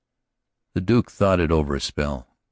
The Duke thought it over a spell.